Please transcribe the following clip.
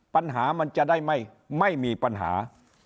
ปัญหามันจะได้ไม่มีปัญหา